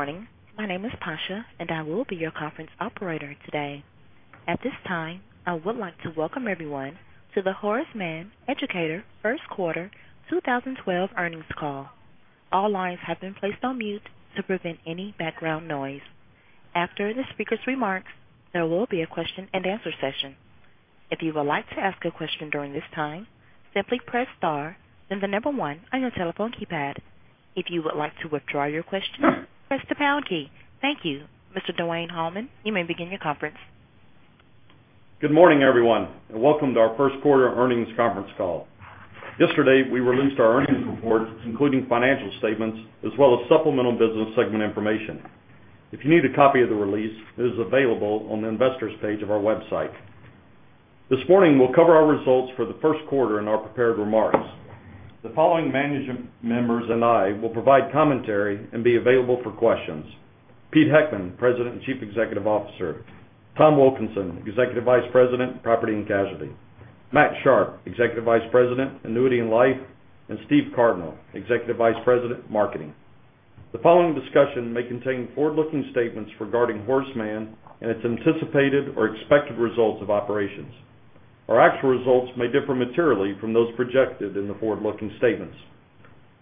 Good morning. My name is Tasha. I will be your conference operator today. At this time, I would like to welcome everyone to the Horace Mann Educators first quarter 2012 earnings call. All lines have been placed on mute to prevent any background noise. After the speaker's remarks, there will be a question and answer session. If you would like to ask a question during this time, simply press star, then the number 1 on your telephone keypad. If you would like to withdraw your question, press the pound key. Thank you. Mr. Dwayne Hallman, you may begin your conference. Good morning, everyone. Welcome to our first quarter earnings conference call. Yesterday, we released our earnings report, including financial statements as well as supplemental business segment information. If you need a copy of the release, it is available on the investor page of our website. This morning, we'll cover our results for the first quarter in our prepared remarks. The following management members and I will provide commentary and be available for questions. Peter Heckman, President and Chief Executive Officer, Thomas Wilkinson, Executive Vice President, Property & Casualty, Matthew Sharpe, Executive Vice President, Annuity & Life, and Stephen Cardinale, Executive Vice President, Marketing. The following discussion may contain forward-looking statements regarding Horace Mann and its anticipated or expected results of operations. Our actual results may differ materially from those projected in the forward-looking statements.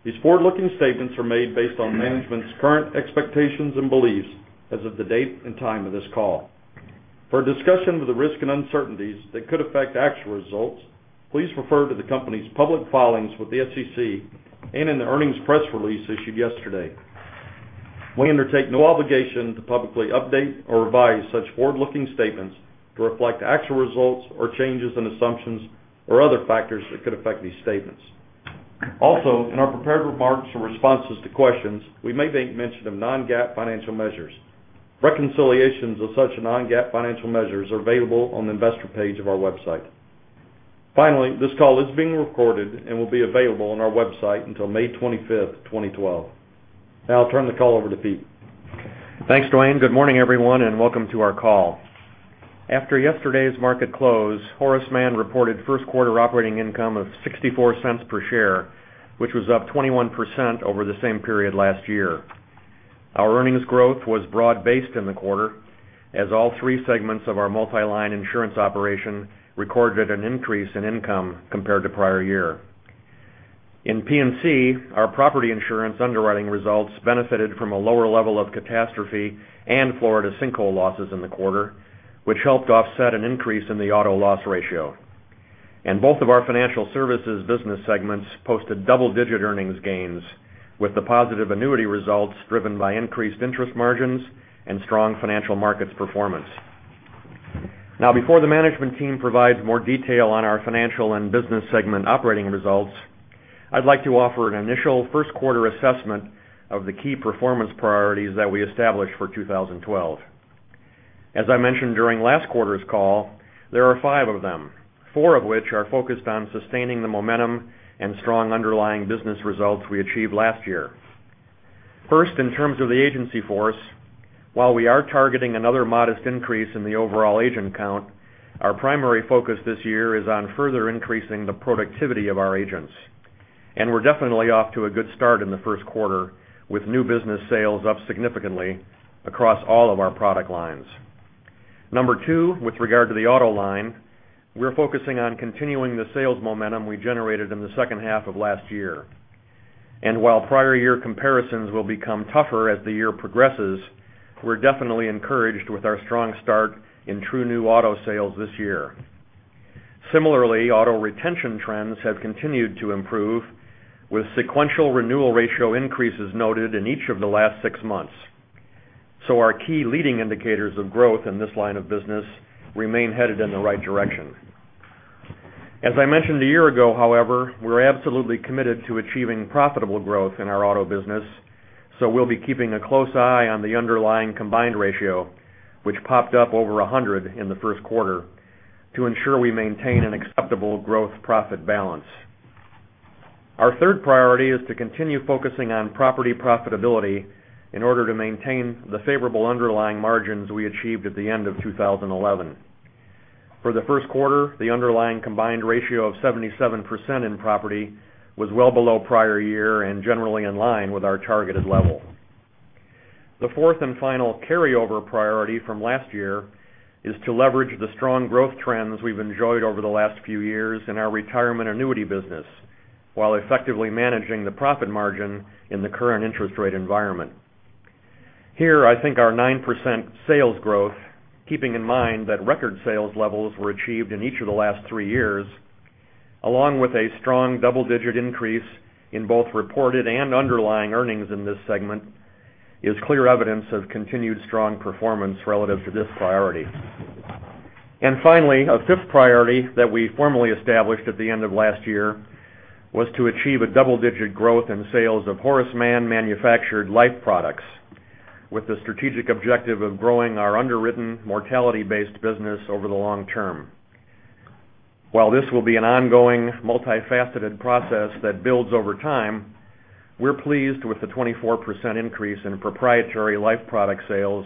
These forward-looking statements are made based on management's current expectations and beliefs as of the date and time of this call. For a discussion of the risks and uncertainties that could affect actual results, please refer to the company's public filings with the SEC and in the earnings press release issued yesterday. We undertake no obligation to publicly update or revise such forward-looking statements to reflect actual results or changes in assumptions or other factors that could affect these statements. Also, in our prepared remarks or responses to questions, we may make mention of non-GAAP financial measures. Reconciliations of such non-GAAP financial measures are available on the investor page of our website. Finally, this call is being recorded and will be available on our website until May 25, 2012. Now I'll turn the call over to Pete. Thanks, Dwayne. Good morning, everyone. Welcome to our call. After yesterday's market close, Horace Mann reported first quarter operating income of $0.64 per share, which was up 21% over the same period last year. Our earnings growth was broad-based in the quarter, as all three segments of our multi-line insurance operation recorded an increase in income compared to prior year. In P&C, our property insurance underwriting results benefited from a lower level of catastrophe and Florida sinkhole losses in the quarter, which helped offset an increase in the auto loss ratio. Both of our financial services business segments posted double-digit earnings gains, with the positive annuity results driven by increased interest margins and strong financial markets performance. Before the management team provides more detail on our financial and business segment operating results, I'd like to offer an initial first quarter assessment of the key performance priorities that we established for 2012. As I mentioned during last quarter's call, there are five of them, four of which are focused on sustaining the momentum and strong underlying business results we achieved last year. First, in terms of the agency force, while we are targeting another modest increase in the overall agent count, our primary focus this year is on further increasing the productivity of our agents. We're definitely off to a good start in the first quarter, with new business sales up significantly across all of our product lines. Number two, with regard to the auto line, we're focusing on continuing the sales momentum we generated in the second half of last year. While prior year comparisons will become tougher as the year progresses, we're definitely encouraged with our strong start in true new auto sales this year. Similarly, auto retention trends have continued to improve, with sequential renewal ratio increases noted in each of the last six months. Our key leading indicators of growth in this line of business remain headed in the right direction. As I mentioned a year ago, however, we're absolutely committed to achieving profitable growth in our auto business, so we'll be keeping a close eye on the underlying combined ratio, which popped up over 100 in the first quarter, to ensure we maintain an acceptable growth-profit balance. Our third priority is to continue focusing on property profitability in order to maintain the favorable underlying margins we achieved at the end of 2011. For the first quarter, the underlying combined ratio of 77% in property was well below prior year and generally in line with our targeted level. The fourth and final carryover priority from last year is to leverage the strong growth trends we've enjoyed over the last few years in our retirement annuity business, while effectively managing the profit margin in the current interest rate environment. Here, I think our 9% sales growth, keeping in mind that record sales levels were achieved in each of the last three years, along with a strong double-digit increase in both reported and underlying earnings in this segment, is clear evidence of continued strong performance relative to this priority. Finally, a fifth priority that we formally established at the end of last year was to achieve a double-digit growth in sales of Horace Mann manufactured life products, with the strategic objective of growing our underwritten mortality-based business over the long term. While this will be an ongoing, multifaceted process that builds over time, we're pleased with the 24% increase in proprietary life product sales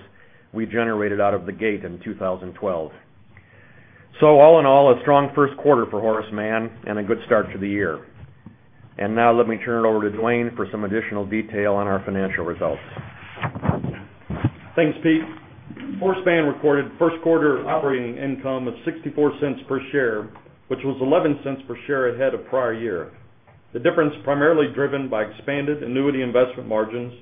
we generated out of the gate in 2012. All in all, a strong first quarter for Horace Mann and a good start to the year. Now let me turn it over to Dwayne for some additional detail on our financial results. Thanks, Pete. Horace Mann reported first quarter operating income of $0.64 per share, which was $0.11 per share ahead of prior year. The difference primarily driven by expanded Annuity investment margins,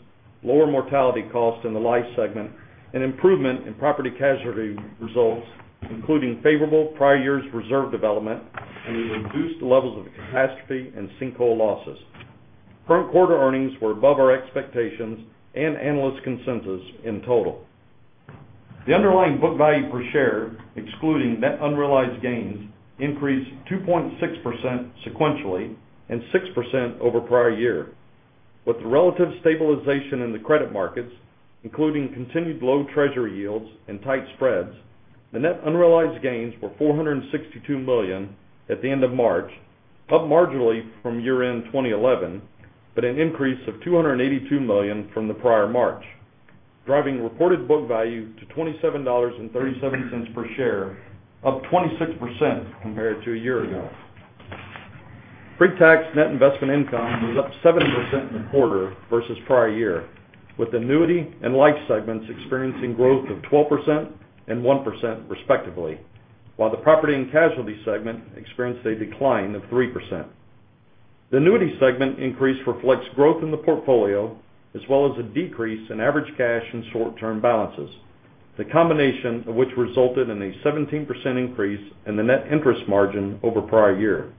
lower mortality costs in the Life segment, and improvement in Property & Casualty results, including favorable prior years reserve development and the reduced levels of catastrophe and sinkhole losses. Current quarter earnings were above our expectations and analyst consensus in total. The underlying book value per share, excluding net unrealized gains, increased 2.6% sequentially and 6% over prior year. With the relative stabilization in the credit markets, including continued low Treasury yields and tight spreads, the net unrealized gains were $462 million at the end of March, up marginally from year-end 2011, but an increase of $282 million from the prior March, driving reported book value to $27.37 per share, up 26% compared to a year ago. Pre-tax net investment income was up 7% in the quarter versus prior year, with Annuity and Life segments experiencing growth of 12% and 1% respectively, while the Property & Casualty segment experienced a decline of 3%. The Annuity segment increase reflects growth in the portfolio as well as a decrease in average cash and short-term balances, the combination of which resulted in a 17% increase in the net interest margin over prior year.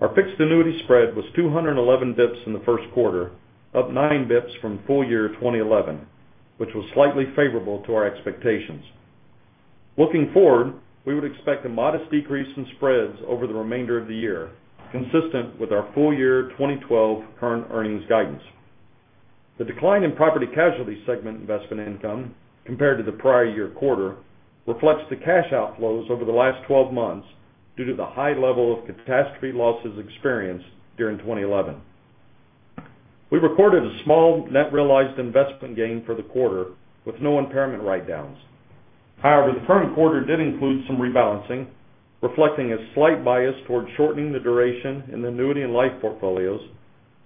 Our fixed annuity spread was 211 bips in the first quarter, up nine bips from full year 2011, which was slightly favorable to our expectations. Looking forward, we would expect a modest decrease in spreads over the remainder of the year, consistent with our full year 2012 current earnings guidance. The decline in Property & Casualty segment investment income compared to the prior year quarter reflects the cash outflows over the last 12 months due to the high level of catastrophe losses experienced during 2011. We recorded a small net realized investment gain for the quarter with no impairment write-downs. However, the current quarter did include some rebalancing, reflecting a slight bias towards shortening the duration in the Annuity and Life portfolios,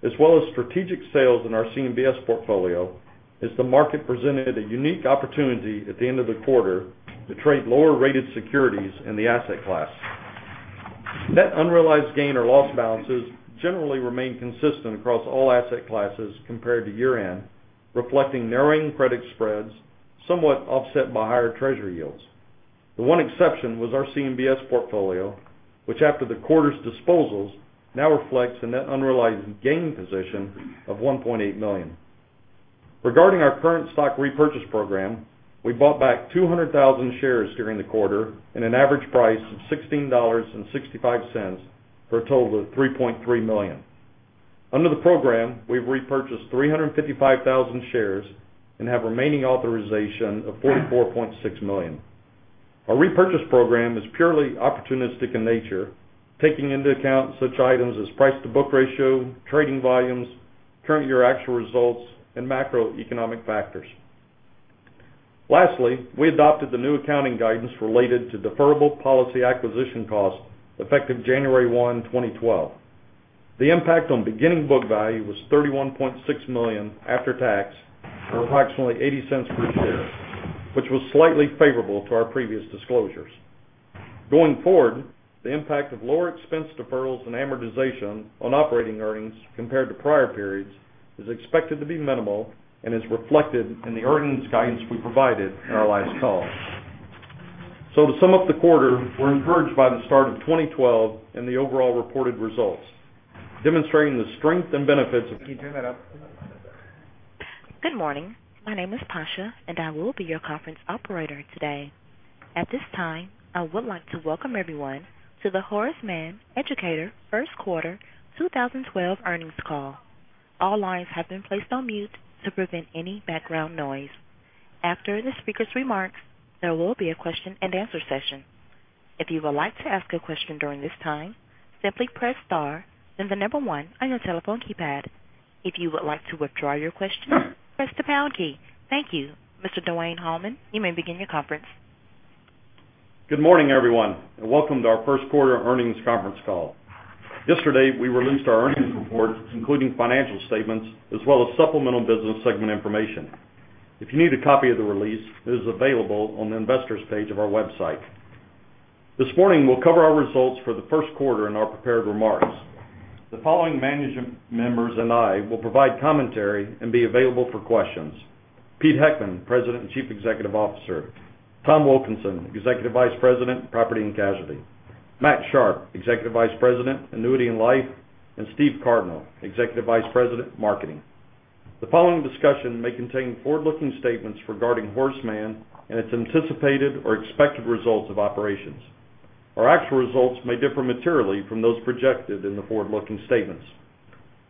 as well as strategic sales in our CMBS portfolio as the market presented a unique opportunity at the end of the quarter to trade lower-rated securities in the asset class. Net unrealized gain or loss balances generally remain consistent across all asset classes compared to year-end, reflecting narrowing credit spreads, somewhat offset by higher Treasury yields. The one exception was our CMBS portfolio, which after the quarter's disposals, now reflects a net unrealized gain position of $1.8 million. Regarding our current stock repurchase program, we bought back 200,000 shares during the quarter at an average price of $16.65 for a total of $3.3 million. Under the program, we've repurchased 355,000 shares and have remaining authorization of $44.6 million. Our repurchase program is purely opportunistic in nature, taking into account such items as price to book ratio, trading volumes, current year actual results, and macroeconomic factors. Lastly, we adopted the new accounting guidance related to deferrable policy acquisition costs effective January 1, 2012. The impact on beginning book value was $31.6 million after tax, or approximately $0.80 per share, which was slightly favorable to our previous disclosures. Going forward, the impact of lower expense deferrals and amortization on operating earnings compared to prior periods is expected to be minimal and is reflected in the earnings guidance we provided in our last call. To sum up the quarter, we're encouraged by the start of 2012 and the overall reported results, demonstrating the strength and benefits of. Can you turn that up? Good morning. My name is Tasha and I will be your conference operator today. At this time, I would like to welcome everyone to the Horace Mann Educators First Quarter 2012 earnings call. All lines have been placed on mute to prevent any background noise. After the speaker's remarks, there will be a question and answer session. If you would like to ask a question during this time, simply press star then 1 on your telephone keypad. If you would like to withdraw your question, press the pound key. Thank you. Mr. Dwayne Hallman, you may begin your conference. Good morning, everyone, and welcome to our first quarter earnings conference call. Yesterday, we released our earnings report, including financial statements as well as supplemental business segment information. If you need a copy of the release, it is available on the investors page of our website. This morning, we'll cover our results for the first quarter in our prepared remarks. The following management members and I will provide commentary and be available for questions. Peter Heckman, President and Chief Executive Officer, Thomas Wilkinson, Executive Vice President, Property & Casualty, Matthew Sharpe, Executive Vice President, Annuity & Life, and Steve Cardinale, Executive Vice President, Marketing. The following discussion may contain forward-looking statements regarding Horace Mann and its anticipated or expected results of operations. Our actual results may differ materially from those projected in the forward-looking statements.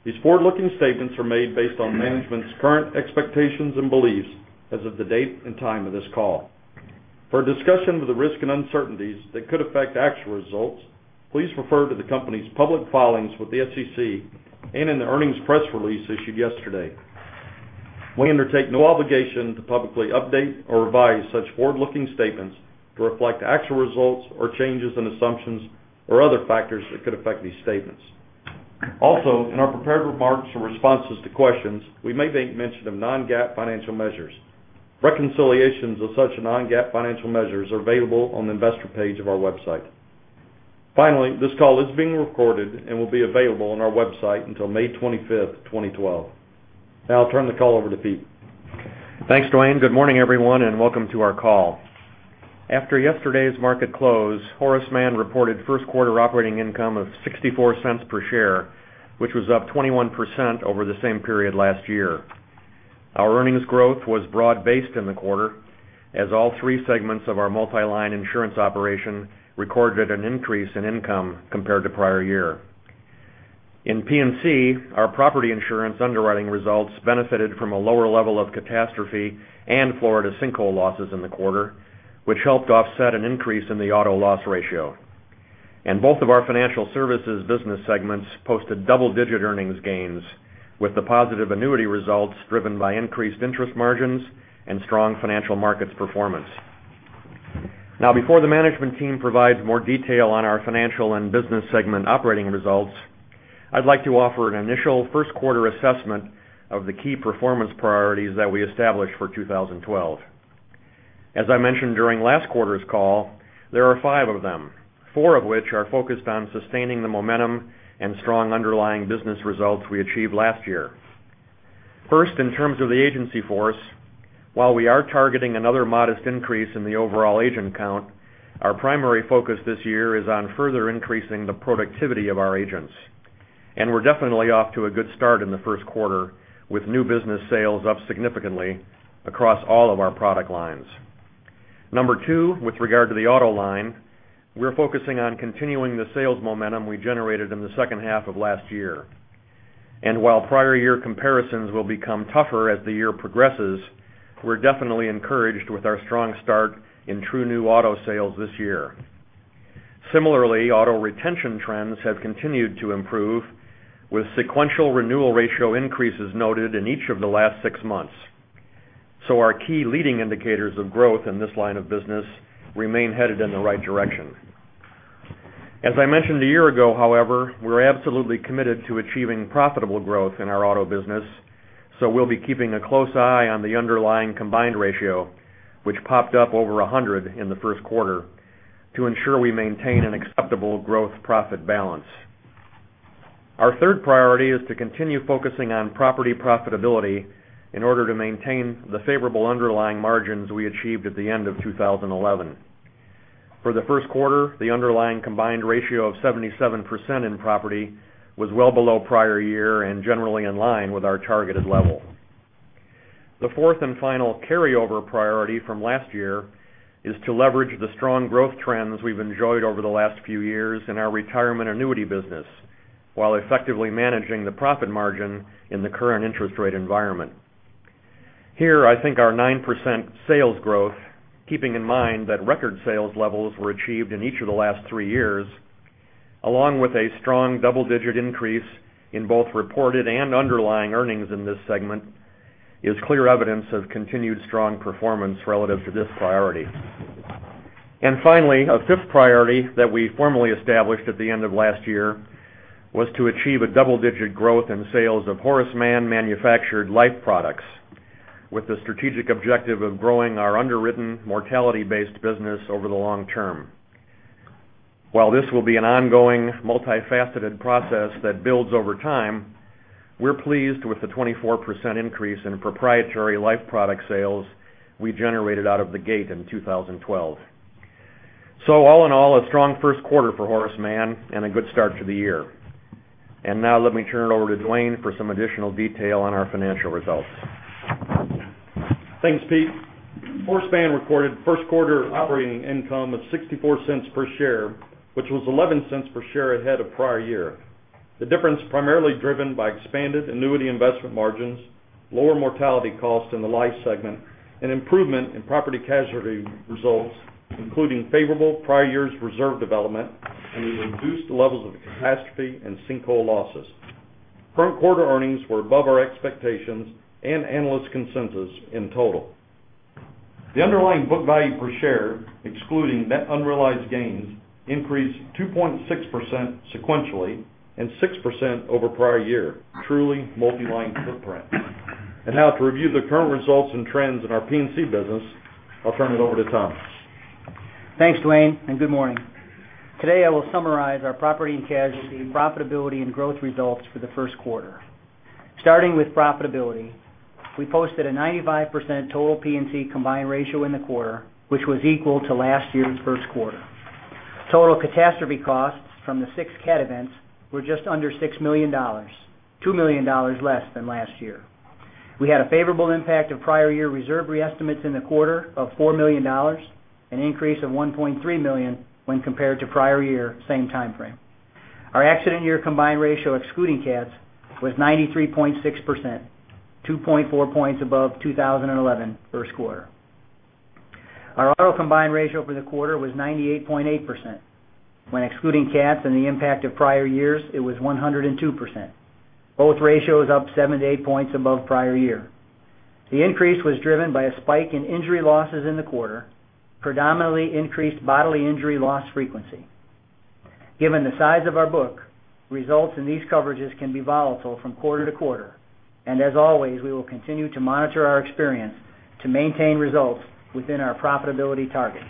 These forward-looking statements are made based on management's current expectations and beliefs as of the date and time of this call. For a discussion of the risks and uncertainties that could affect actual results, please refer to the company's public filings with the SEC and in the earnings press release issued yesterday. We undertake no obligation to publicly update or revise such forward-looking statements to reflect actual results or changes in assumptions or other factors that could affect these statements. Also, in our prepared remarks or responses to questions, we may make mention of non-GAAP financial measures. Reconciliations of such non-GAAP financial measures are available on the investor page of our website. Finally, this call is being recorded and will be available on our website until May 25th, 2012. Now I'll turn the call over to Pete. Thanks, Dwayne. Good morning, everyone, and welcome to our call. After yesterday's market close, Horace Mann reported first quarter operating income of $0.64 per share, which was up 21% over the same period last year. Our earnings growth was broad-based in the quarter, as all three segments of our multi-line insurance operation recorded an increase in income compared to prior year. In P&C, our property insurance underwriting results benefited from a lower level of catastrophe and Florida sinkhole losses in the quarter, which helped offset an increase in the auto loss ratio. Both of our financial services business segments posted double-digit earnings gains, with the positive annuity results driven by increased interest margins and strong financial markets performance. Before the management team provides more detail on our financial and business segment operating results, I'd like to offer an initial first quarter assessment of the key performance priorities that we established for 2012. As I mentioned during last quarter's call, there are five of them, four of which are focused on sustaining the momentum and strong underlying business results we achieved last year. First, in terms of the agency force, while we are targeting another modest increase in the overall agent count, our primary focus this year is on further increasing the productivity of our agents. We're definitely off to a good start in the first quarter, with new business sales up significantly across all of our product lines. Number two, with regard to the auto line, we're focusing on continuing the sales momentum we generated in the second half of last year. While prior year comparisons will become tougher as the year progresses, we're definitely encouraged with our strong start in true new auto sales this year. Similarly, auto retention trends have continued to improve, with sequential renewal ratio increases noted in each of the last six months. Our key leading indicators of growth in this line of business remain headed in the right direction. As I mentioned a year ago, however, we're absolutely committed to achieving profitable growth in our auto business, so we'll be keeping a close eye on the underlying combined ratio, which popped up over 100 in the first quarter, to ensure we maintain an acceptable growth profit balance. Our third priority is to continue focusing on property profitability in order to maintain the favorable underlying margins we achieved at the end of 2011. For the first quarter, the underlying combined ratio of 77% in property was well below prior year and generally in line with our targeted level. The fourth and final carryover priority from last year is to leverage the strong growth trends we've enjoyed over the last few years in our retirement annuity business, while effectively managing the profit margin in the current interest rate environment. Here, I think our 9% sales growth, keeping in mind that record sales levels were achieved in each of the last three years, along with a strong double-digit increase in both reported and underlying earnings in this segment, is clear evidence of continued strong performance relative to this priority. Finally, a fifth priority that we formally established at the end of last year was to achieve a double-digit growth in sales of Horace Mann manufactured life products, with the strategic objective of growing our underwritten mortality-based business over the long term. While this will be an ongoing, multifaceted process that builds over time, we're pleased with the 24% increase in proprietary life product sales we generated out of the gate in 2012. All in all, a strong first quarter for Horace Mann and a good start to the year. Now let me turn it over to Dwayne for some additional detail on our financial results. Thanks, Pete. Horace Mann reported first quarter operating income of $0.64 per share, which was $0.11 per share ahead of prior year. The difference primarily driven by expanded annuity investment margins, lower mortality costs in the life segment, an improvement in property casualty results, including favorable prior years reserve development, and the reduced levels of catastrophe and sinkhole losses. Current quarter earnings were above our expectations and analyst consensus in total. The underlying book value per share, excluding net unrealized gains, increased 2.6% sequentially and 6% over prior year, truly multi-line footprint. Now to review the current results and trends in our P&C business, I'll turn it over to Tom. Thanks, Dwayne. Good morning. Today, I will summarize our property and casualty profitability and growth results for the first quarter. Starting with profitability, we posted a 95% total P&C combined ratio in the quarter, which was equal to last year's first quarter. Total catastrophe costs from the six cat events were just under $6 million, $2 million less than last year. We had a favorable impact of prior year reserve re-estimates in the quarter of $4 million, an increase of $1.3 million when compared to prior year same timeframe. Our accident year combined ratio excluding cats was 93.6%, 2.4 points above 2011 first quarter. Our auto combined ratio for the quarter was 98.8%. When excluding cats and the impact of prior years, it was 102%. Both ratios up seven to eight points above prior year. The increase was driven by a spike in injury losses in the quarter, predominantly increased bodily injury loss frequency. Given the size of our book, results in these coverages can be volatile from quarter to quarter, and as always, we will continue to monitor our experience to maintain results within our profitability targets.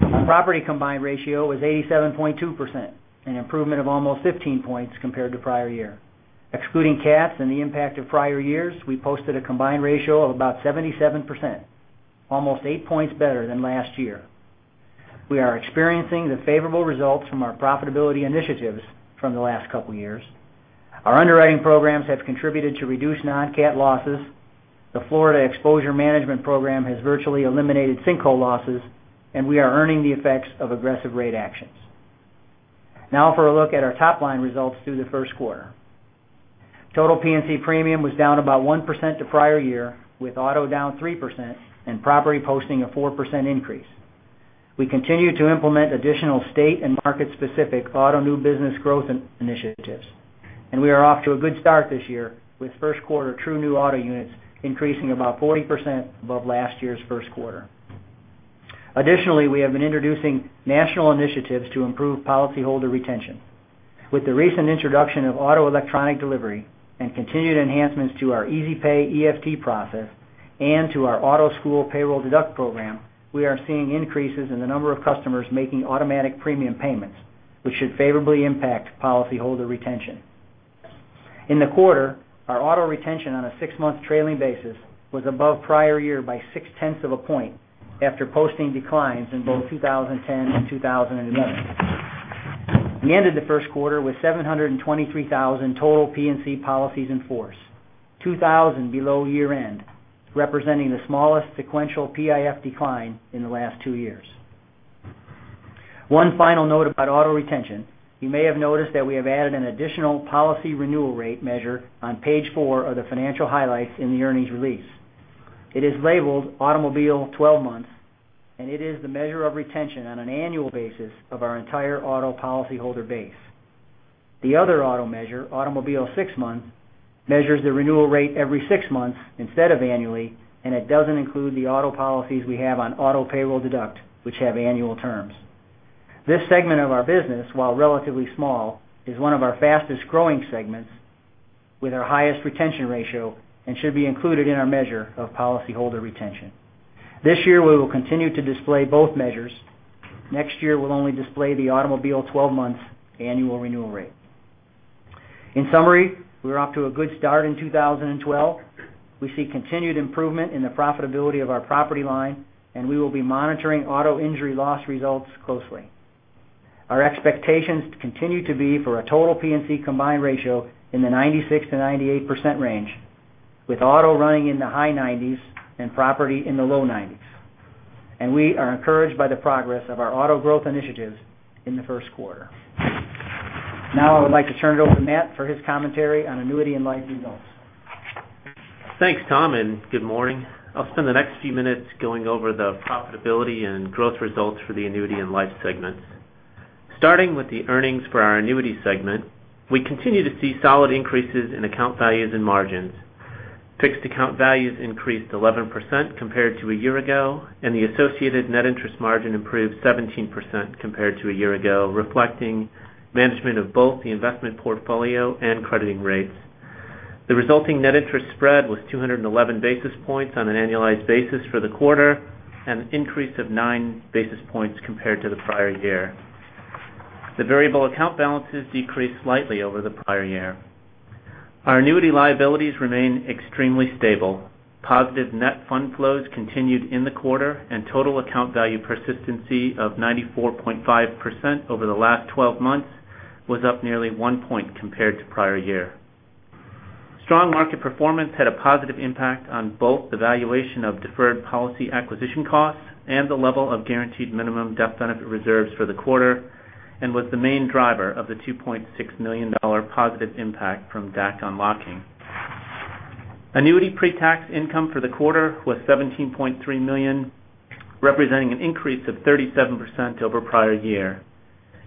Our property combined ratio was 87.2%, an improvement of almost 15 points compared to prior year. Excluding cats and the impact of prior years, we posted a combined ratio of about 77%, almost eight points better than last year. We are experiencing the favorable results from our profitability initiatives from the last couple of years. Our underwriting programs have contributed to reduced non-cat losses. The Florida Exposure Management Program has virtually eliminated sinkhole losses, and we are earning the effects of aggressive rate actions. For a look at our top-line results through the first quarter. Total P&C premium was down about 1% to prior year, with auto down 3% and property posting a 4% increase. We continue to implement additional state and market-specific auto new business growth initiatives, and we are off to a good start this year with first quarter true new auto units increasing about 40% above last year's first quarter. We have been introducing national initiatives to improve policyholder retention. With the recent introduction of auto electronic delivery and continued enhancements to our EasyPay EFT process and to our auto school payroll deduct program, we are seeing increases in the number of customers making automatic premium payments, which should favorably impact policyholder retention. In the quarter, our auto retention on a six-month trailing basis was above prior year by six-tenths of a point after posting declines in both 2010 and 2011. We ended the first quarter with 723,000 total P&C policies in force, 2,000 below year-end, representing the smallest sequential PIF decline in the last two years. Final note about auto retention. You may have noticed that we have added an additional policy renewal rate measure on page four of the financial highlights in the earnings release. It is labeled Automobile 12 Months, and it is the measure of retention on an annual basis of our entire auto policyholder base. The other auto measure, Automobile 6 Months, measures the renewal rate every six months instead of annually, and it doesn't include the auto policies we have on auto payroll deduct, which have annual terms. This segment of our business, while relatively small, is one of our fastest-growing segments with our highest retention ratio and should be included in our measure of policyholder retention. This year, we will continue to display both measures. Next year, we'll only display the Automobile 12 Months annual renewal rate. In summary, we're off to a good start in 2012. We see continued improvement in the profitability of our property line, and we will be monitoring auto injury loss results closely. Our expectations continue to be for a total P&C combined ratio in the 96%-98% range, with auto running in the high 90s and property in the low 90s. We are encouraged by the progress of our auto growth initiatives in the first quarter. I would like to turn it over to Matt for his commentary on annuity and life results. Thanks, Tom, and good morning. I'll spend the next few minutes going over the profitability and growth results for the annuity and life segments. Starting with the earnings for our annuity segment, we continue to see solid increases in account values and margins. Fixed account values increased 11% compared to a year ago, and the associated net interest margin improved 17% compared to a year ago, reflecting management of both the investment portfolio and crediting rates. The resulting net interest spread was 211 basis points on an annualized basis for the quarter, an increase of nine basis points compared to the prior year. The variable account balances decreased slightly over the prior year. Our annuity liabilities remain extremely stable. Positive net fund flows continued in the quarter, and total account value persistency of 94.5% over the last 12 months was up nearly one point compared to prior year. Strong market performance had a positive impact on both the valuation of deferred policy acquisition costs and the level of guaranteed minimum death benefit reserves for the quarter and was the main driver of the $2.6 million positive impact from DAC unlocking. Annuity pre-tax income for the quarter was $17.3 million, representing an increase of 37% over prior year.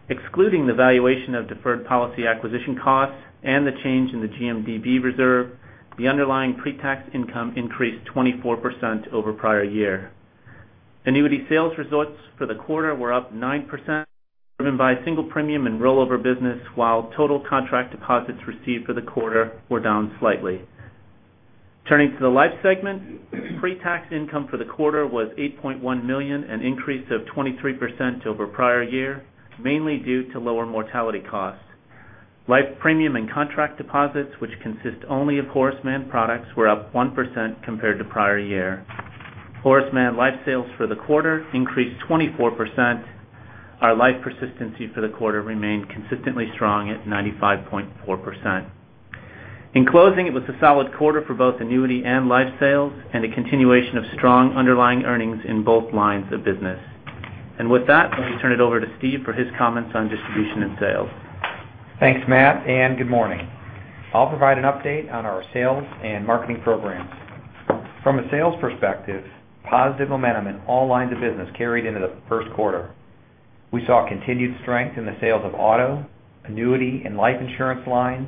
Excluding the valuation of deferred policy acquisition costs and the change in the GMDB reserve, the underlying pre-tax income increased 24% over prior year. Annuity sales results for the quarter were up 9%, driven by single premium and rollover business, while total contract deposits received for the quarter were down slightly. Turning to the life segment, pre-tax income for the quarter was $8.1 million, an increase of 23% over prior year, mainly due to lower mortality costs. Life premium and contract deposits, which consist only of Horace Mann products, were up 1% compared to prior year. Horace Mann life sales for the quarter increased 24%. Our life persistency for the quarter remained consistently strong at 95.4%. In closing, it was a solid quarter for both annuity and life sales and a continuation of strong underlying earnings in both lines of business. With that, let me turn it over to Steve for his comments on distribution and sales. Thanks, Matt, and good morning. I'll provide an update on our sales and marketing programs. From a sales perspective, positive momentum in all lines of business carried into the first quarter. We saw continued strength in the sales of auto, annuity, and life insurance lines,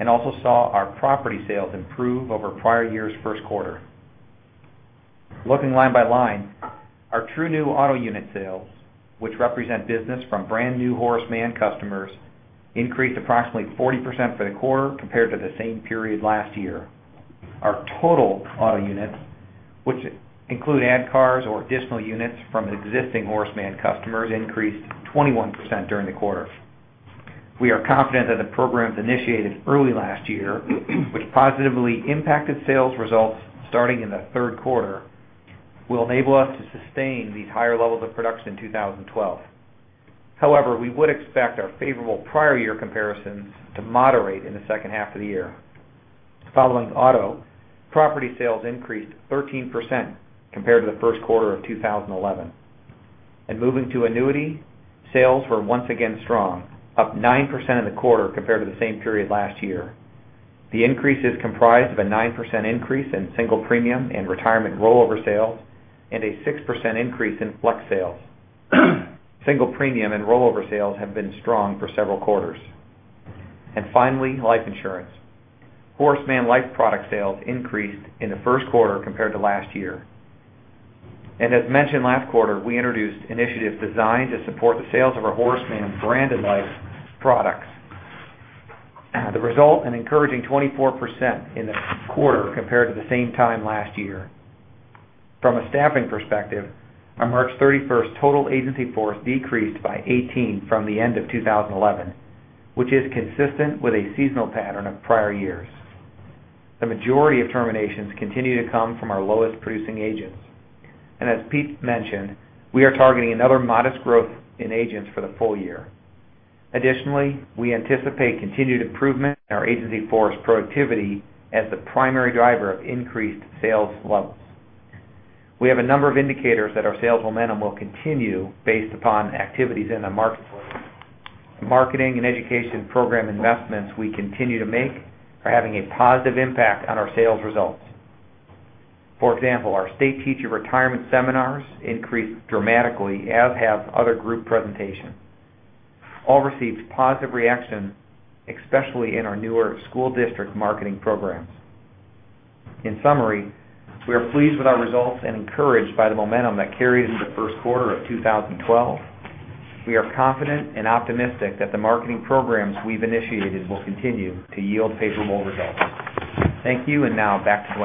and also saw our property sales improve over prior year's first quarter. Looking line by line, our true new auto unit sales, which represent business from brand new Horace Mann customers, increased approximately 40% for the quarter compared to the same period last year. Our total auto units, which include add cars or additional units from existing Horace Mann customers, increased 21% during the quarter. We are confident that the programs initiated early last year, which positively impacted sales results starting in the third quarter, will enable us to sustain these higher levels of production in 2012. However, we would expect our favorable prior year comparisons to moderate in the second half of the year. Following auto, property sales increased 13% compared to the first quarter of 2011. Moving to annuity, sales were once again strong, up 9% in the quarter compared to the same period last year. The increase is comprised of a 9% increase in single premium and retirement rollover sales, and a 6% increase in flex sales. Single premium and rollover sales have been strong for several quarters. Finally, life insurance. Horace Mann life product sales increased in the first quarter compared to last year. As mentioned last quarter, we introduced initiatives designed to support the sales of our Horace Mann branded life products. The result, an encouraging 24% in the quarter compared to the same time last year. From a staffing perspective, our March 31st total agency force decreased by 18 from the end of 2011, which is consistent with a seasonal pattern of prior years. The majority of terminations continue to come from our lowest producing agents. As Pete mentioned, we are targeting another modest growth in agents for the full year. Additionally, we anticipate continued improvement in our agency force productivity as the primary driver of increased sales levels. We have a number of indicators that our sales momentum will continue based upon activities in the marketplace. The marketing and education program investments we continue to make are having a positive impact on our sales results. For example, our state teacher retirement seminars increased dramatically, as have other group presentations. All received positive reactions, especially in our newer school district marketing programs. In summary, we are pleased with our results and encouraged by the momentum that carried into the first quarter of 2012. We are confident and optimistic that the marketing programs we've initiated will continue to yield favorable results. Thank you. Now back to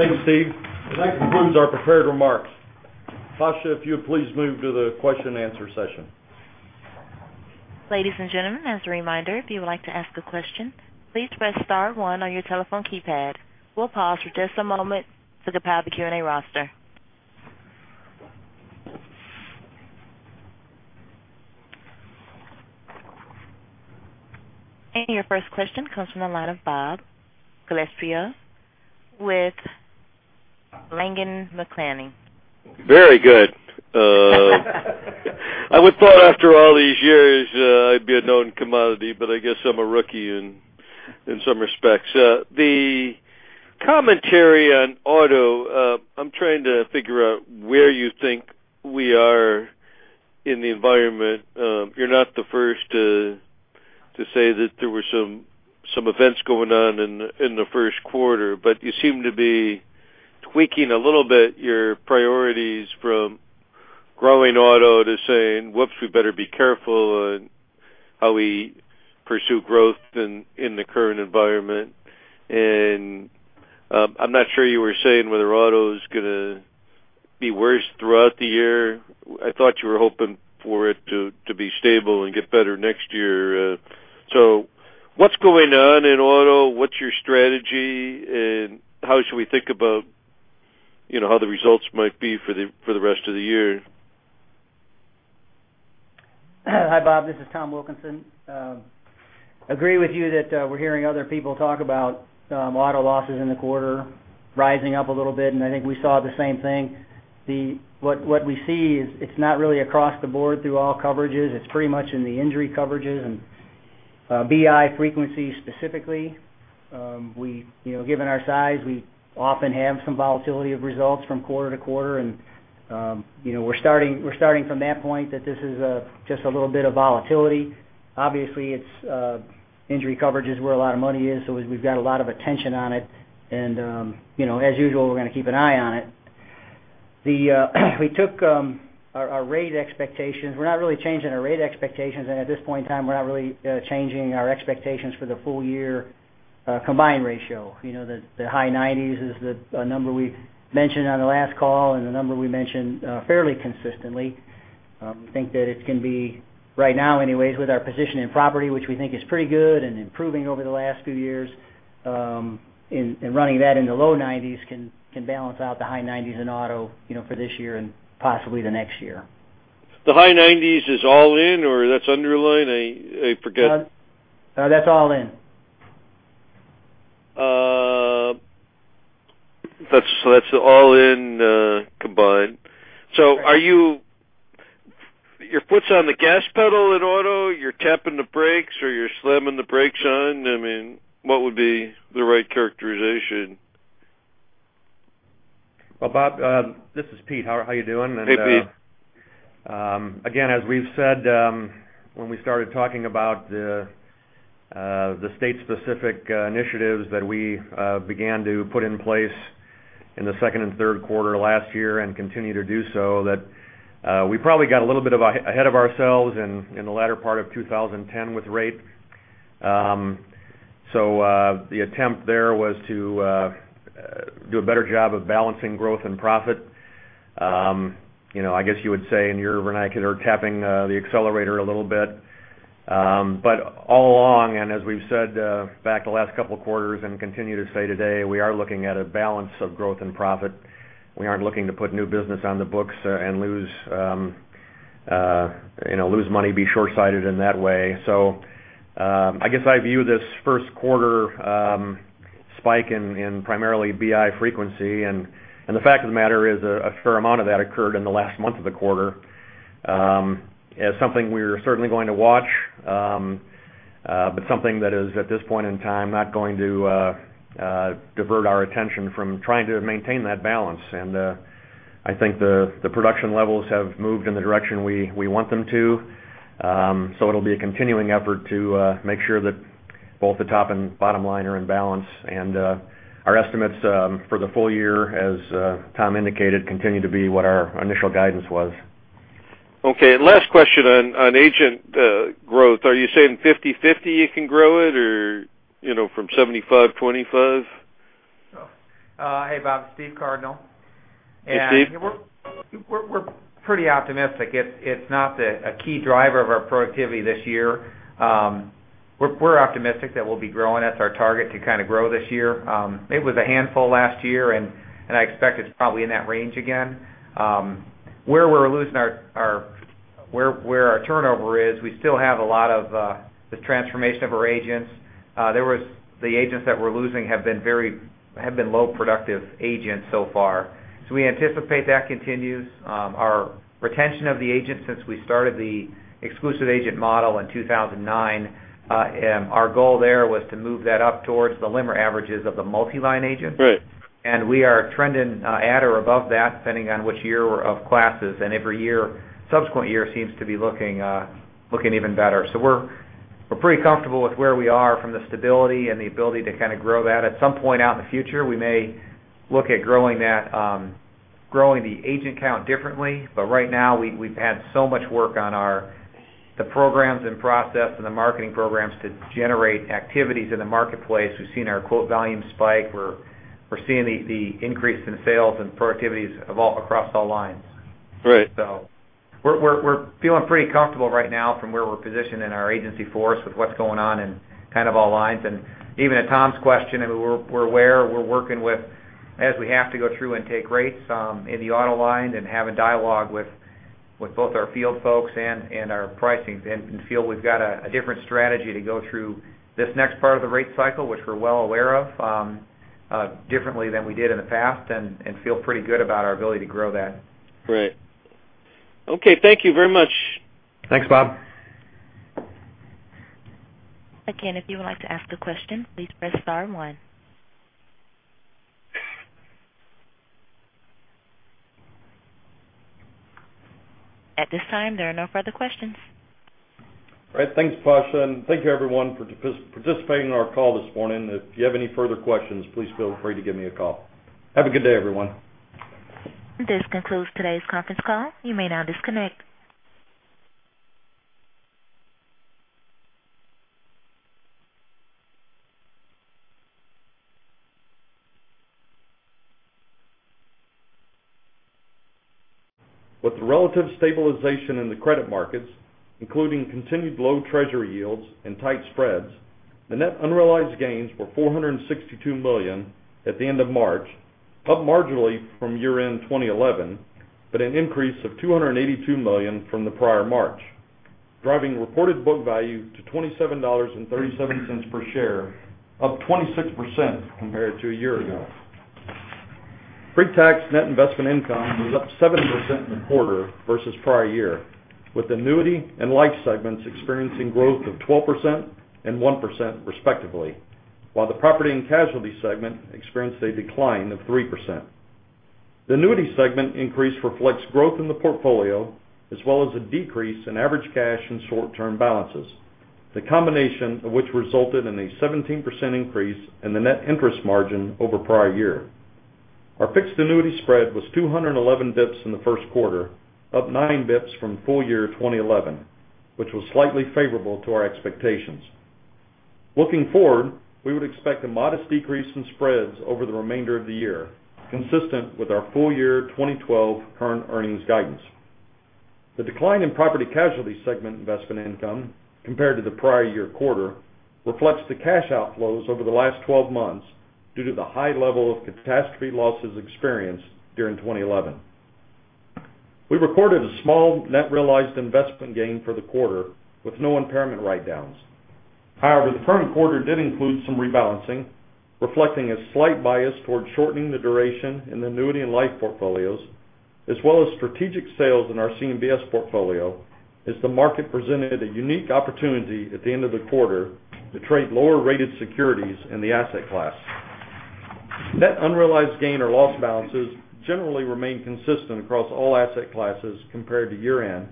Dwayne. Thanks, Steve. That concludes our prepared remarks. Tasha, if you would please move to the question answer session. Ladies and gentlemen, as a reminder, if you would like to ask a question, please press star one on your telephone keypad. We'll pause for just a moment to compile the Q&A roster. Your first question comes from the line of Robert Gschwendtner with Langen McAlenney. Very good. I would thought after all these years, I'd be a known commodity, but I guess I'm a rookie in some respects. The commentary on auto, I'm trying to figure out where you think we are in the environment. You're not the first to say that there were some events going on in the first quarter, but you seem to be tweaking a little bit your priorities from growing auto to saying, "Whoops, we better be careful on how we pursue growth in the current environment." I'm not sure you were saying whether auto is going to be worse throughout the year. I thought you were hoping for it to be stable and get better next year. What's going on in auto? What's your strategy, and how should we think about how the results might be for the rest of the year? Hi, Bob. This is Thomas Wilkinson. Agree with you that we're hearing other people talk about auto losses in the quarter rising up a little bit, and I think we saw the same thing. What we see is it's not really across the board through all coverages. It's pretty much in the injury coverages and BI frequency specifically. Given our size, we often have some volatility of results from quarter to quarter, and we're starting from that point that this is just a little bit of volatility. Obviously, injury coverage is where a lot of money is, so we've got a lot of attention on it. As usual, we're going to keep an eye on it. We took our rate expectations. We're not really changing our rate expectations, and at this point in time, we're not really changing our expectations for the full year combined ratio. The high 90s is a number we mentioned on the last call and a number we mentioned fairly consistently. We think that it can be, right now anyways, with our position in property, which we think is pretty good and improving over the last few years, and running that in the low 90s can balance out the high 90s in auto for this year and possibly the next year. The high 90s is all in or that's underlying? I forget. No, that's all in. That's all in combined. Are your foots on the gas pedal in auto, you're tapping the brakes, or you're slamming the brakes on? What would be the right characterization? Bob, this is Pete, how you doing? Hey, Pete. As we've said when we started talking about the state specific initiatives that we began to put in place in the second and third quarter last year, and continue to do so, that we probably got a little bit ahead of ourselves in the latter part of 2010 with rate. The attempt there was to do a better job of balancing growth and profit. I guess you would say in your vernacular, tapping the accelerator a little bit. All along, and as we've said back the last couple of quarters and continue to say today, we are looking at a balance of growth and profit. We aren't looking to put new business on the books and lose money, be shortsighted in that way. I guess I view this first quarter spike in primarily BI frequency, and the fact of the matter is, a fair amount of that occurred in the last month of the quarter, as something we're certainly going to watch, but something that is, at this point in time, not going to divert our attention from trying to maintain that balance. I think the production levels have moved in the direction we want them to. It'll be a continuing effort to make sure that both the top and bottom line are in balance. Our estimates for the full year, as Tom indicated, continue to be what our initial guidance was. Okay. Last question on agent growth. Are you saying 50/50 you can grow it or from 75/25? Hey, Bob, it's Stephen Cardinale. Hey, Steve. We're pretty optimistic. It's not a key driver of our productivity this year. We're optimistic that we'll be growing. That's our target, to kind of grow this year. It was a handful last year, and I expect it's probably in that range again. Where our turnover is, we still have a lot of the transformation of our agents. The agents that we're losing have been low productive agents so far. We anticipate that continues. Our retention of the agents since we started the exclusive agent model in 2009, our goal there was to move that up towards the LIMRA averages of the multi-line agent. Right. We are trending at or above that, depending on which year of classes, and every subsequent year seems to be looking even better. We're pretty comfortable with where we are from the stability and the ability to kind of grow that. At some point out in the future, we may look at growing the agent count differently. Right now, we've had so much work on the programs and process and the marketing programs to generate activities in the marketplace. We've seen our quote volume spike. We're seeing the increase in sales and productivities across all lines. Right. We're feeling pretty comfortable right now from where we're positioned in our agency force with what's going on in kind of all lines. Even in Tom's question, we're aware, we're working with, as we have to go through and take rates in the auto lines and have a dialogue with both our field folks and our pricing team and feel we've got a different strategy to go through this next part of the rate cycle, which we're well aware of, differently than we did in the past, and feel pretty good about our ability to grow that. Great. Okay. Thank you very much. Thanks, Bob. Again, if you would like to ask a question, please press star one. At this time, there are no further questions. Great, thanks, Tasha, thank you, everyone, for participating in our call this morning. If you have any further questions, please feel free to give me a call. Have a good day, everyone. This concludes today's conference call. You may now disconnect. With the relative stabilization in the credit markets, including continued low treasury yields and tight spreads, the net unrealized gains were $462 million at the end of March, up marginally from year-end 2011, an increase of $282 million from the prior March, driving reported book value to $27.37 per share, up 26% compared to a year ago. Pre-tax net investment income was up 7% in the quarter versus prior year, with annuity and life segments experiencing growth of 12% and 1%, respectively, while the property and casualty segment experienced a decline of 3%. The annuity segment increase reflects growth in the portfolio, as well as a decrease in average cash and short-term balances, the combination of which resulted in a 17% increase in the net interest margin over prior year. Our fixed annuity spread was 211 basis points in the first quarter, up nine basis points from full year 2011, which was slightly favorable to our expectations. Looking forward, we would expect a modest decrease in spreads over the remainder of the year, consistent with our full year 2012 current earnings guidance. The decline in property casualty segment investment income compared to the prior year quarter reflects the cash outflows over the last 12 months due to the high level of catastrophe losses experienced during 2011. We recorded a small net realized investment gain for the quarter, with no impairment write-downs. However, the current quarter did include some rebalancing, reflecting a slight bias towards shortening the duration in the annuity and life portfolios, as well as strategic sales in our CMBS portfolio as the market presented a unique opportunity at the end of the quarter to trade lower-rated securities in the asset class. Net unrealized gain or loss balances generally remain consistent across all asset classes compared to year-end,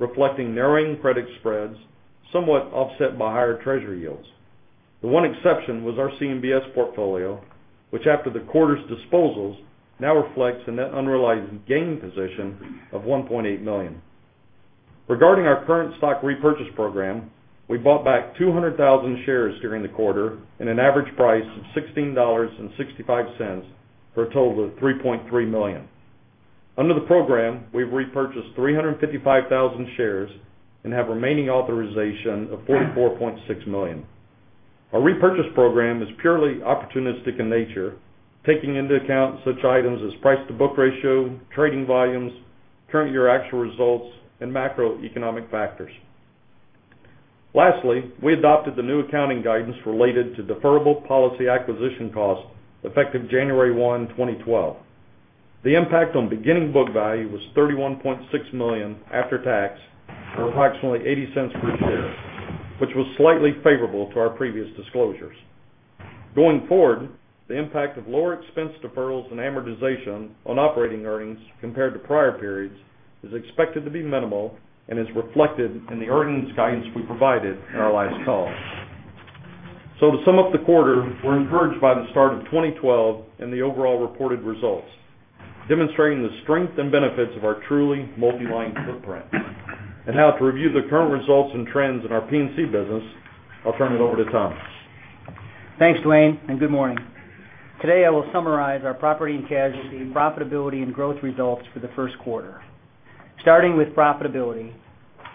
reflecting narrowing credit spreads, somewhat offset by higher Treasury yields. The one exception was our CMBS portfolio, which after the quarter's disposals, now reflects a net unrealized gain position of $1.8 million. Regarding our current stock repurchase program, we bought back 200,000 shares during the quarter at an average price of $16.65 for a total of $3.3 million. Under the program, we've repurchased 355,000 shares and have remaining authorization of $44.6 million. Our repurchase program is purely opportunistic in nature, taking into account such items as price-to-book ratio, trading volumes, current year actual results, and macroeconomic factors. Lastly, we adopted the new accounting guidance related to deferrable policy acquisition costs effective January 1, 2012. The impact on beginning book value was $31.6 million after tax, or approximately $0.80 per share, which was slightly favorable to our previous disclosures. Going forward, the impact of lower expense deferrals and amortization on operating earnings compared to prior periods is expected to be minimal and is reflected in the earnings guidance we provided in our last call. To sum up the quarter, we're encouraged by the start of 2012 and the overall reported results, demonstrating the strength and benefits of our truly multi-line footprint. Now to review the current results and trends in our P&C business, I'll turn it over to Tom. Thanks, Dwayne, and good morning. Today, I will summarize our property and casualty profitability and growth results for the first quarter. Starting with profitability,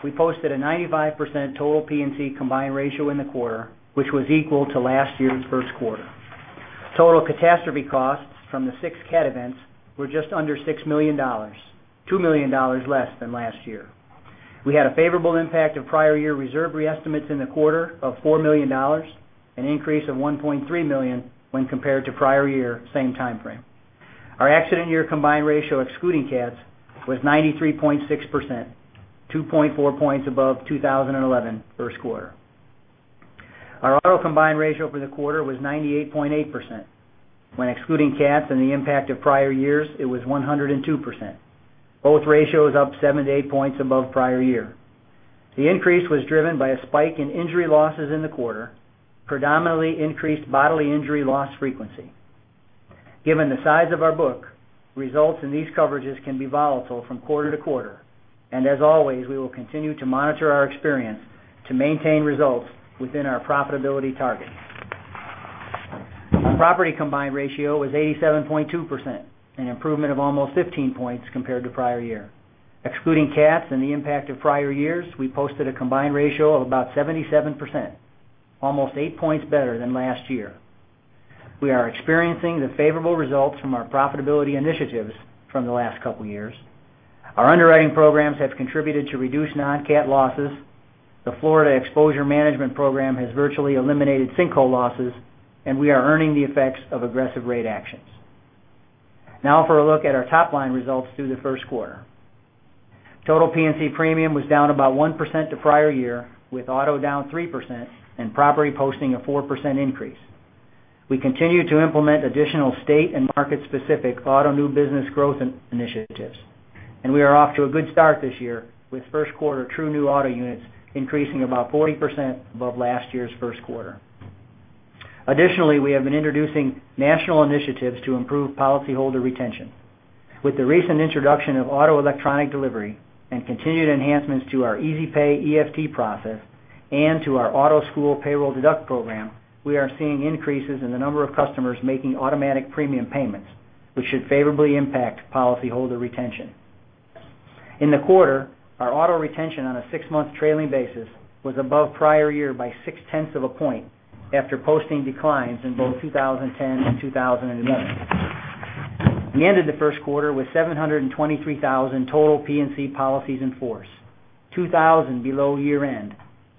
we posted a 95% total P&C combined ratio in the quarter, which was equal to last year's first quarter. Total catastrophe costs from the six cat events were just under $6 million, $2 million less than last year. We had a favorable impact of prior year reserve re-estimates in the quarter of $4 million, an increase of $1.3 million when compared to prior year same timeframe. Our accident year combined ratio, excluding cats, was 93.6%, 2.4 points above 2011 first quarter. Our auto combined ratio for the quarter was 98.8%. When excluding cats and the impact of prior years, it was 102%. Both ratios up seven to eight points above prior year. The increase was driven by a spike in injury losses in the quarter, predominantly increased bodily injury loss frequency. Given the size of our book, results in these coverages can be volatile from quarter to quarter, and as always, we will continue to monitor our experience to maintain results within our profitability targets. Our property combined ratio was 87.2%, an improvement of almost 15 points compared to prior year. Excluding cats and the impact of prior years, we posted a combined ratio of about 77%, almost eight points better than last year. We are experiencing the favorable results from our profitability initiatives from the last couple of years. Our underwriting programs have contributed to reduced non-cat losses. The Florida Exposure Management Program has virtually eliminated sinkhole losses, and we are earning the effects of aggressive rate actions. For a look at our top-line results through the first quarter. Total P&C premium was down about 1% to prior year, with auto down 3% and property posting a 4% increase. We continue to implement additional state and market-specific auto new business growth initiatives, and we are off to a good start this year with first quarter true new auto units increasing about 40% above last year's first quarter. Additionally, we have been introducing national initiatives to improve policyholder retention. With the recent introduction of auto electronic delivery and continued enhancements to our EasyPay EFT process and to our auto school payroll deduct program, we are seeing increases in the number of customers making automatic premium payments, which should favorably impact policyholder retention. In the quarter, our auto retention on a six-month trailing basis was above prior year by six tenths of a point after posting declines in both 2010 and 2011. We ended the first quarter with 723,000 total P&C policies in force, 2,000 below year-end,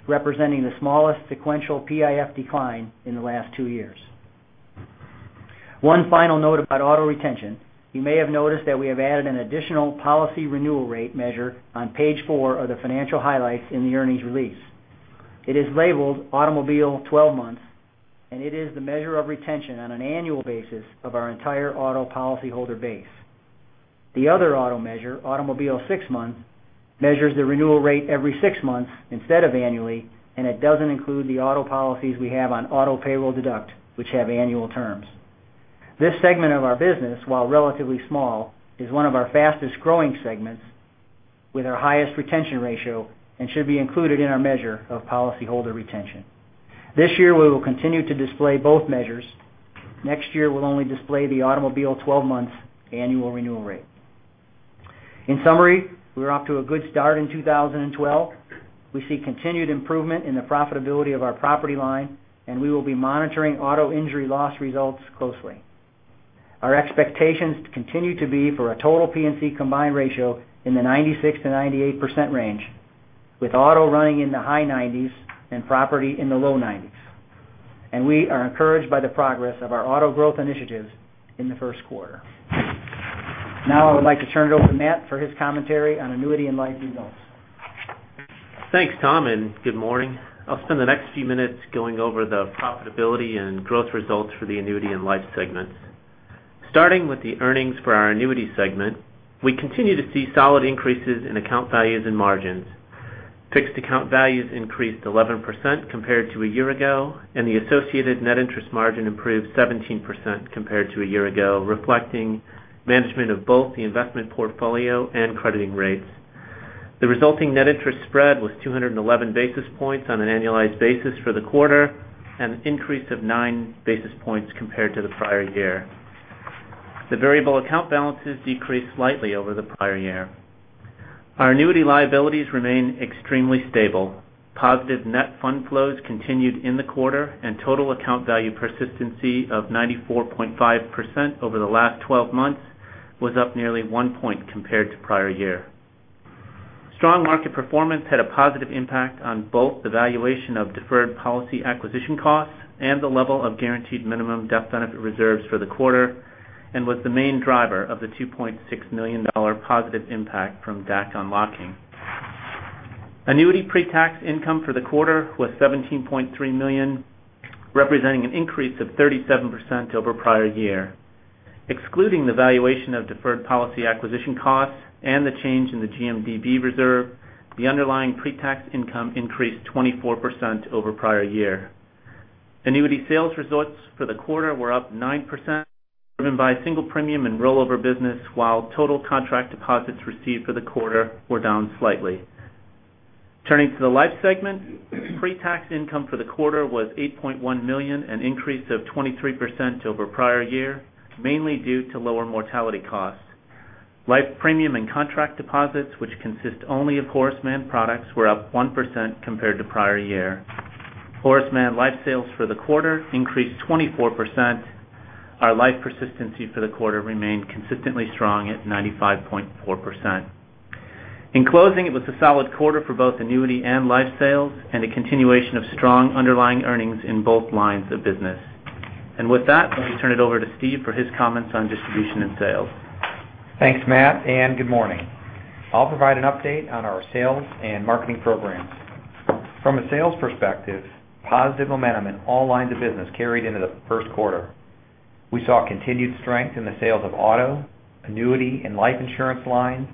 representing the smallest sequential PIF decline in the last two years. One final note about auto retention. You may have noticed that we have added an additional policy renewal rate measure on page four of the financial highlights in the earnings release. It is labeled Automobile 12 Months, and it is the measure of retention on an annual basis of our entire auto policyholder base. The other auto measure, Automobile 6 Month, measures the renewal rate every six months instead of annually, and it doesn't include the auto policies we have on auto payroll deduct, which have annual terms. This segment of our business, while relatively small, is one of our fastest-growing segments with our highest retention ratio and should be included in our measure of policyholder retention. This year, we will continue to display both measures. Next year, we'll only display the Automobile 12 Months annual renewal rate. In summary, we're off to a good start in 2012. We see continued improvement in the profitability of our property line, and we will be monitoring auto injury loss results closely. Our expectations continue to be for a total P&C combined ratio in the 96%-98% range, with auto running in the high 90s and property in the low 90s. We are encouraged by the progress of our auto growth initiatives in the first quarter. I would like to turn it over to Matt for his commentary on annuity and life results. Thanks, Tom, and good morning. I'll spend the next few minutes going over the profitability and growth results for the annuity and life segments. Starting with the earnings for our annuity segment, we continue to see solid increases in account values and margins. Fixed account values increased 11% compared to a year ago, and the associated net interest margin improved 17% compared to a year ago, reflecting management of both the investment portfolio and crediting rates. The resulting net interest spread was 211 basis points on an annualized basis for the quarter, an increase of nine basis points compared to the prior year. The variable account balances decreased slightly over the prior year. Our annuity liabilities remain extremely stable. Positive net fund flows continued in the quarter, and total account value persistency of 94.5% over the last 12 months was up nearly one point compared to prior year. Strong market performance had a positive impact on both the valuation of deferred policy acquisition costs and the level of guaranteed minimum death benefit reserves for the quarter and was the main driver of the $2.6 million positive impact from DAC unlocking. Annuity pre-tax income for the quarter was $17.3 million, representing an increase of 37% over prior year. Excluding the valuation of deferred policy acquisition costs and the change in the GMDB reserve, the underlying pre-tax income increased 24% over prior year. Annuity sales results for the quarter were up 9%, driven by single premium and rollover business, while total contract deposits received for the quarter were down slightly. Turning to the life segment, pre-tax income for the quarter was $8.1 million, an increase of 23% over prior year, mainly due to lower mortality costs. Life premium and contract deposits, which consist only of Horace Mann products, were up 1% compared to prior year. Horace Mann life sales for the quarter increased 24%. Our life persistency for the quarter remained consistently strong at 95.4%. In closing, it was a solid quarter for both annuity and life sales and a continuation of strong underlying earnings in both lines of business. With that, let me turn it over to Steve for his comments on distribution and sales. Thanks, Matt, and good morning. I'll provide an update on our sales and marketing programs. From a sales perspective, positive momentum in all lines of business carried into the first quarter. We saw continued strength in the sales of auto, annuity and life insurance lines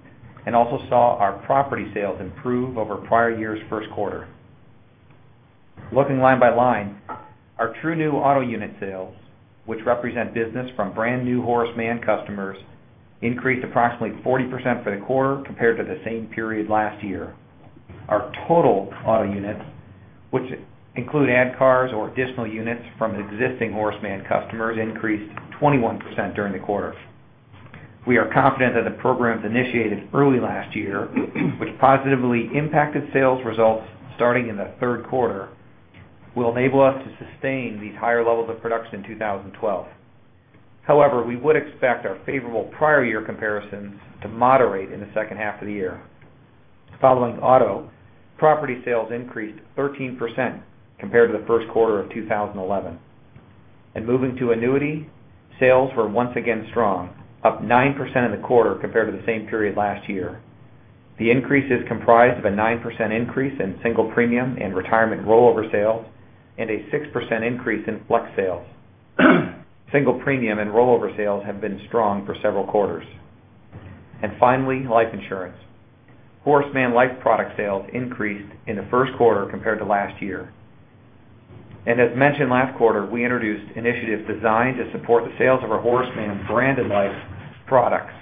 and also saw our property sales improve over prior year's first quarter. Looking line by line, our true new auto unit sales, which represent business from brand new Horace Mann customers, increased approximately 40% for the quarter compared to the same period last year. Our total auto units, which include add cars or additional units from existing Horace Mann customers, increased 21% during the quarter. We are confident that the programs initiated early last year, which positively impacted sales results starting in the third quarter, will enable us to sustain these higher levels of production in 2012. However, we would expect our favorable prior year comparisons to moderate in the second half of the year. Following auto, property sales increased 13% compared to the first quarter of 2011. Moving to annuity, sales were once again strong, up 9% in the quarter compared to the same period last year. The increase is comprised of a 9% increase in single premium and retirement rollover sales and a 6% increase in flex sales. Single premium and rollover sales have been strong for several quarters. Finally, life insurance. Horace Mann life product sales increased in the first quarter compared to last year. As mentioned last quarter, we introduced initiatives designed to support the sales of our Horace Mann branded life products.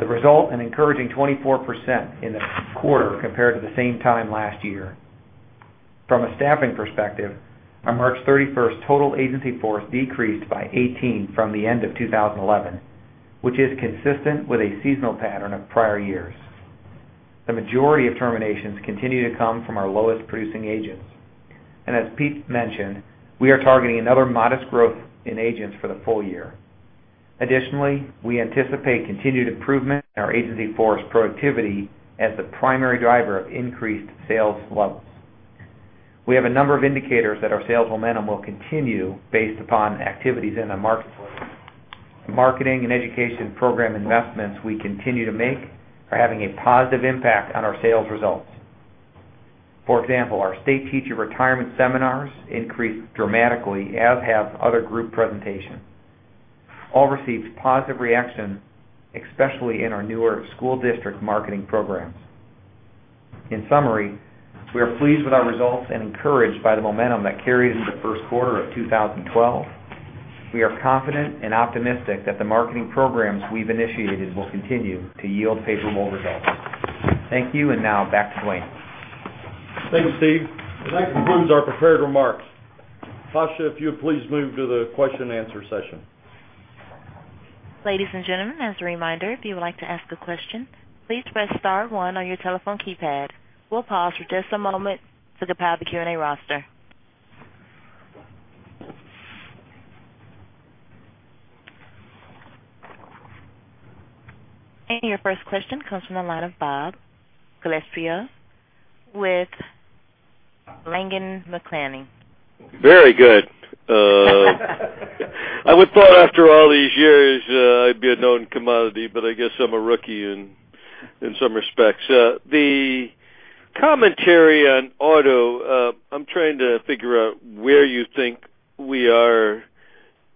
The result, an encouraging 24% in the quarter compared to the same time last year. From a staffing perspective, our March 31st total agency force decreased by 18 from the end of 2011, which is consistent with a seasonal pattern of prior years. The majority of terminations continue to come from our lowest producing agents. As Pete mentioned, we are targeting another modest growth in agents for the full year. Additionally, we anticipate continued improvement in our agency force productivity as the primary driver of increased sales levels. We have a number of indicators that our sales momentum will continue based upon activities in the marketplace. The marketing and education program investments we continue to make are having a positive impact on our sales results. For example, our state teacher retirement seminars increased dramatically, as have other group presentations. All received positive reactions, especially in our newer school district marketing programs. In summary, we are pleased with our results and encouraged by the momentum that carried into the first quarter of 2012. We are confident and optimistic that the marketing programs we've initiated will continue to yield favorable results. Thank you, and now back to Dwayne. Thanks, Steve. That concludes our prepared remarks. Tasha, if you would please move to the question and answer session. Ladies and gentlemen, as a reminder, if you would like to ask a question, please press star one on your telephone keypad. We'll pause for just a moment to compile the Q&A roster. Your first question comes from the line of Bob Glasspiegel with Langen McAlenney. Very good. I would thought after all these years, I'd be a known commodity, but I guess I'm a rookie in some respects. The commentary on auto, I'm trying to figure out where you think we are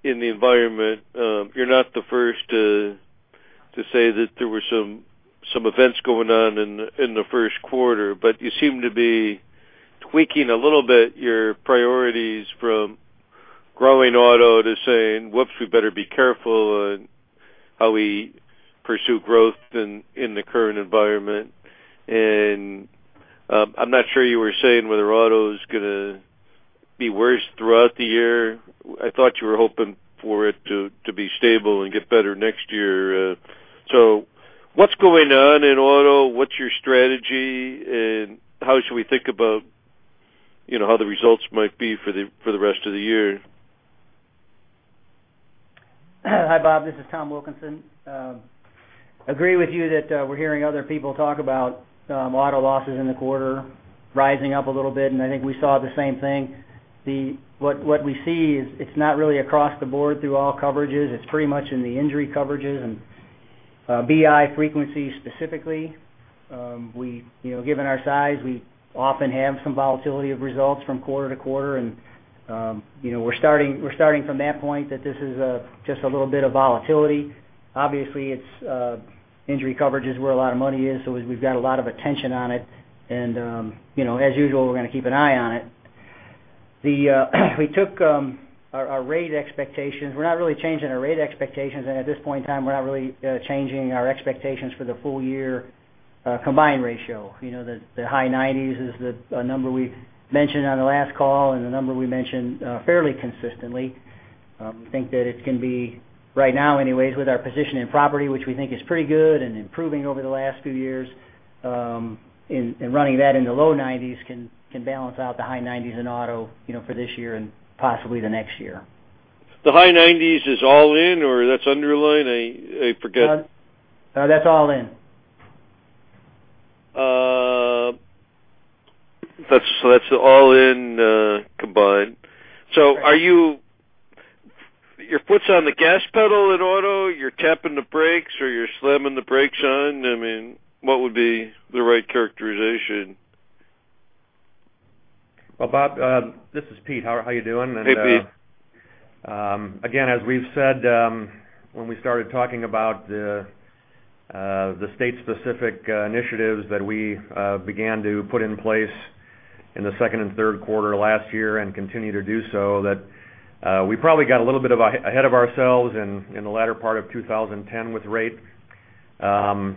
in the environment. You're not the first to say that there were some events going on in the first quarter, but you seem to be tweaking a little bit your priorities from growing auto to saying, "Whoops, we better be careful on how we pursue growth in the current environment." I'm not sure you were saying whether auto is going to be worse throughout the year. I thought you were hoping for it to be stable and get better next year. What's going on in auto? What's your strategy, and how should we think about how the results might be for the rest of the year? Hi, Bob. This is Thomas Wilkinson. Agree with you that we're hearing other people talk about auto losses in the quarter rising up a little bit, and I think we saw the same thing. What we see is it's not really across the board through all coverages. It's pretty much in the injury coverages and BI frequency specifically. Given our size, we often have some volatility of results from quarter to quarter, and we're starting from that point that this is just a little bit of volatility. Obviously, it's injury coverage is where a lot of money is, so we've got a lot of attention on it. As usual, we're going to keep an eye on it. We took our rate expectations. We're not really changing our rate expectations, and at this point in time, we're not really changing our expectations for the full year combined ratio. The high 90s is a number we mentioned on the last call and a number we mentioned fairly consistently. We think that it's going to be, right now anyways, with our position in property, which we think is pretty good and improving over the last few years, and running that in the low 90s can balance out the high 90s in auto for this year and possibly the next year. The high 90s is all in or that's underlying? I forget. No, that's all in. That's all in combined. Right. Your foot's on the gas pedal in auto, you're tapping the brakes or you're slamming the brakes on? What would be the right characterization? Well, Bob, this is Pete. How are you doing? Hey, Pete. Again, as we've said when we started talking about the state specific initiatives that we began to put in place in the second and third quarter last year and continue to do so, that we probably got a little bit ahead of ourselves in the latter part of 2010 with rate. The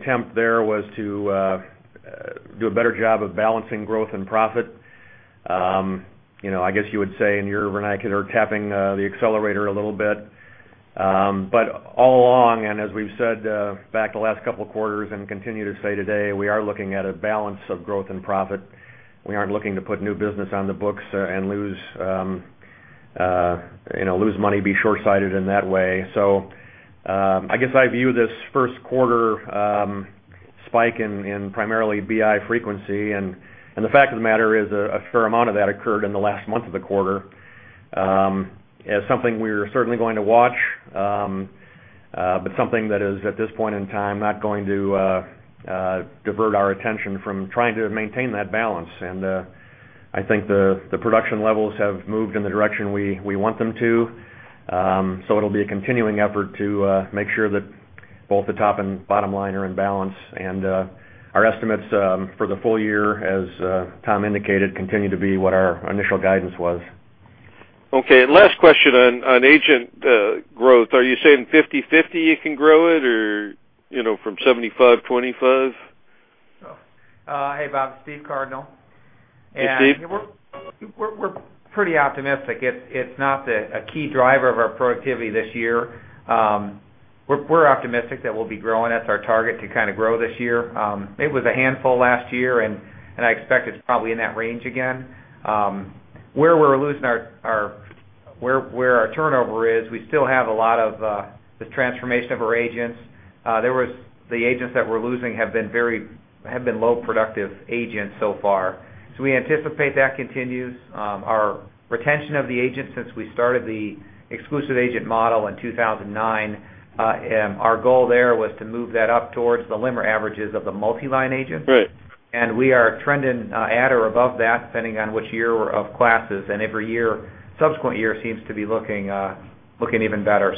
attempt there was to do a better job of balancing growth and profit. I guess you would say in your vernacular, tapping the accelerator a little bit. All along, and as we've said back the last couple of quarters and continue to say today, we are looking at a balance of growth and profit. We aren't looking to put new business on the books and lose money, be shortsighted in that way. I guess I view this first quarter spike in primarily BI frequency, and the fact of the matter is, a fair amount of that occurred in the last month of the quarter as something we're certainly going to watch, but something that is, at this point in time, not going to divert our attention from trying to maintain that balance. I think the production levels have moved in the direction we want them to. It'll be a continuing effort to make sure that both the top and bottom line are in balance. Our estimates for the full year, as Tom indicated, continue to be what our initial guidance was. Okay, last question on agent growth. Are you saying 50/50 you can grow it or from 75/25? Hey, Bob. Stephen Cardinale. Hey, Steve. We're pretty optimistic. It's not a key driver of our productivity this year. We're optimistic that we'll be growing. That's our target to kind of grow this year. It was a handful last year, I expect it's probably in that range again. Where our turnover is, we still have a lot of the transformation of our agents. The agents that we're losing have been low productive agents so far. We anticipate that continues. Our retention of the agents since we started the exclusive agent model in 2009, our goal there was to move that up towards the LIMRA averages of the multi-line agent. Right. We are trending at or above that, depending on which year of classes, and every subsequent year seems to be looking even better.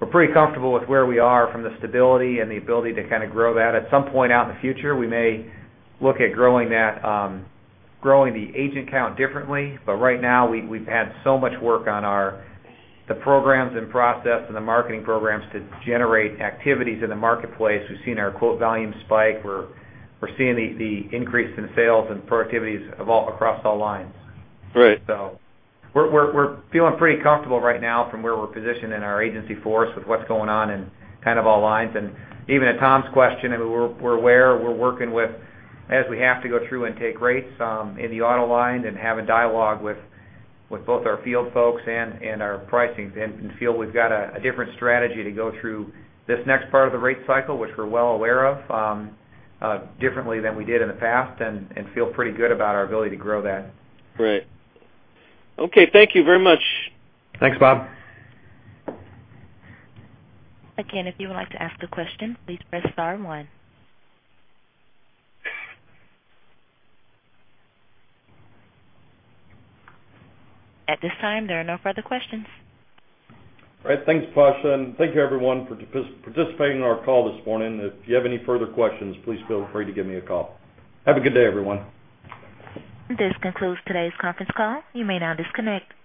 We're pretty comfortable with where we are from the stability and the ability to kind of grow that. At some point out in the future, we may look at growing the agent count differently. Right now, we've had so much work on the programs and process and the marketing programs to generate activities in the marketplace. We've seen our quote volume spike. We're seeing the increase in sales and productivities across all lines. Right. We're feeling pretty comfortable right now from where we're positioned in our agency force with what's going on in kind of all lines. Even at Tom's question, we're aware, we're working with as we have to go through and take rates in the auto line and have a dialogue with both our field folks and our pricing and feel we've got a different strategy to go through this next part of the rate cycle, which we're well aware of differently than we did in the past, and feel pretty good about our ability to grow that. Great. Okay. Thank you very much. Thanks, Bob. If you would like to ask a question, please press star one. There are no further questions. Great. Thanks, Tasha. Thank you everyone for participating in our call this morning. If you have any further questions, please feel free to give me a call. Have a good day, everyone. This concludes today's conference call. You may now disconnect.